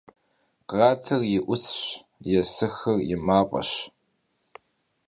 Khratır yi 'usş, yêsıxır yi maf'eş.